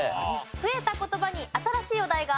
増えた言葉に新しいお題が入ります。